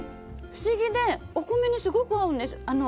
不思議でお米にすごく合うんです。